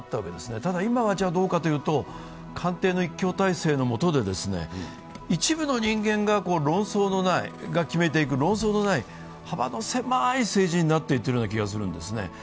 ただ今はどうかというと官邸の一強体制のもとで、一部の人間が論争がなく決めていく幅の狭い政治になっていっているような気がするんですね。